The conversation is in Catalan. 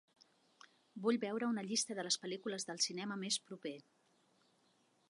Vull veure una llista de les pel·lícules del cinema més proper